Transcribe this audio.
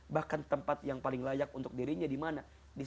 bahkan tempat yang paling layak untuk dirinya dimana